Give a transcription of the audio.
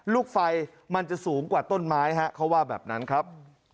ลูกไฟมันจะสูงกว่าต้นไม้ฮะเขาว่าแบบนั้นครับ